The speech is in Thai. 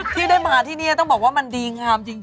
ที่ได้มาที่นี่ต้องบอกว่ามันดีงามจริง